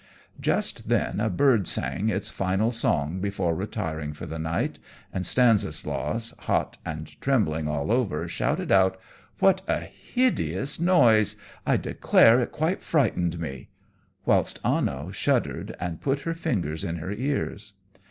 Just then a bird sang its final song before retiring for the night, and Stanislaus, hot and trembling all over, shouted out: "What a hideous noise! I declare it quite frightened me"; whilst Anno shuddered and put her fingers in her ears.